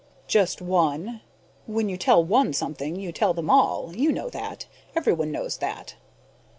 "Just one. When you tell one something, you tell them all. You know that. Everyone knows that."